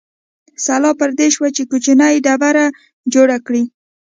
سلا پر دې شوه چې کوچنۍ ډبرې جوړې کړو.